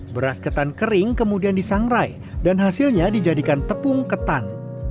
beras ketan kering kemudian disangrai dan hasilnya dijadikan tepung ketan